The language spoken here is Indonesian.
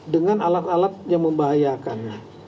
dengan alat alat yang membahayakan